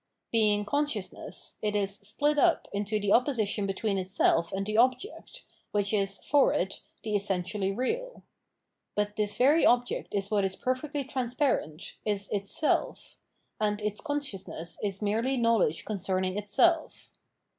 Being consciousness, it is split up into the opposition between itself and the object, which is, for it, the essentially real. But this very object is what is perfectly transparent, is its self ; and its consciousness is merely knowledge concerning itself.